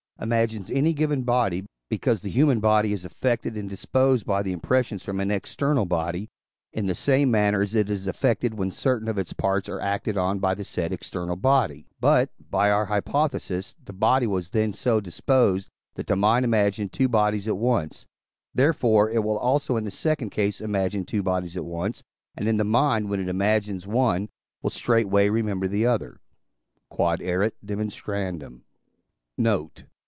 imagines any given body, because the human body is affected and disposed by the impressions from an external body, in the same manner as it is affected when certain of its parts are acted on by the said external body; but (by our hypothesis) the body was then so disposed, that the mind imagined two bodies at once; therefore, it will also in the second case imagine two bodies at once, and the mind, when it imagines one, will straightway remember the other. Q.E.D. Note.